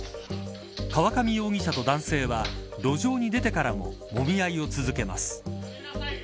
河上容疑者と男性は路上に出てからももみ合いを続けます。